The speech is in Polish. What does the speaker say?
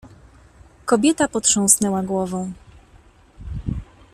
"Kobieta potrząsnęła głową."